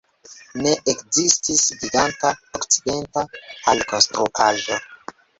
Ne ekzistis giganta okcidenta alkonstruaĵo.